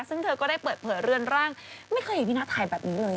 ซึ่งเธอก็ได้เปิดเผยเรือนร่างไม่เคยเห็นวินาทัยแบบนี้เลย